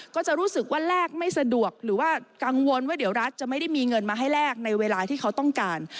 ก็จะรู้สึกว่าแลกไม่สะดวกหรือว่ากังวลว่าเดี๋ยวรัฐจะไม่ได้มีเงินมาให้แลกในเวลาที่เขาต้องการ